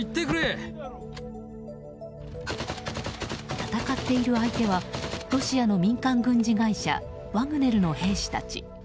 戦っている相手は、ロシアの民間軍事会社ワグネルの兵士たち。